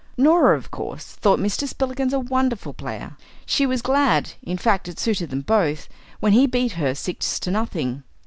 Norah, of course, thought Mr. Spillikins a wonderful player. She was glad in fact, it suited them both when he beat her six to nothing.